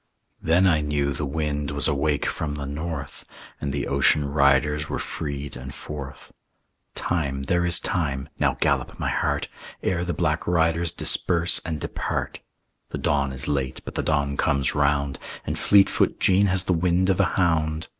Then I knew the wind was awake from the North, And the ocean riders were freed and forth. Time, there is time (now gallop, my heart!) Ere the black riders disperse and depart. The dawn is late, but the dawn comes round, And Fleetfoot Jean has the wind of a hound.